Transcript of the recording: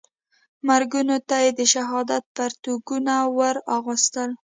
مرګونو ته یې د شهادت پرتګونه وراغوستل.